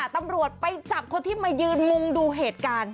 ตำรวจไปจับคนที่มายืนมุงดูเหตุการณ์